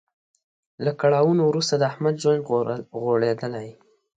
له کړاوونو وروسته د احمد ژوند غوړیدلی.